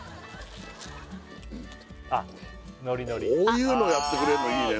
こういうのやってくれるのいいね